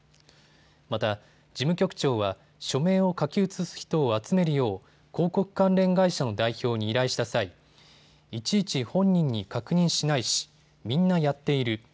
また事務局長は署名を書き写す人を集めるよう広告関連会社の代表に依頼した際、いちいち本人に確認しないしみんなやっている。